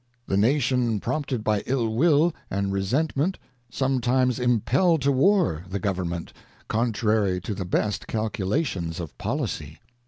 ŌĆö The Nation prompted by ill will and resentment some times impel to War the Government, con trary to the best calculations of policy.